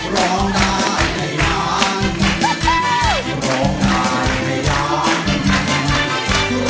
ร้องได้ให้ร้าน